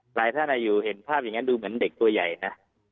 หลายท่านอยู่เห็นภาพอย่างนั้นดูเหมือนเด็กตัวใหญ่นะ